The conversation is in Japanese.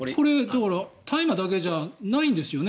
大麻だけじゃないんですよね？